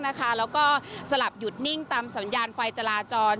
แล้วก็สลับหยุดนิ่งตามสัญญาณไฟจราจร